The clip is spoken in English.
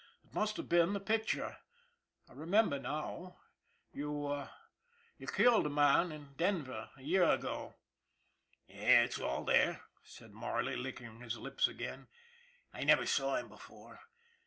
" It must have been the picture. I remember now. You you killed a man in Denver a year ago." " It's all there," said Marley, licking his lips again. " I never saw him before.